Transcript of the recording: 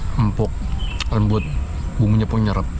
hmm empuk lembut bumbunya pun nyerep